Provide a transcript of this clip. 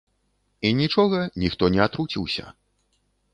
І нічога, ніхто не атруціўся.